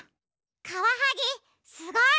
カワハギすごい！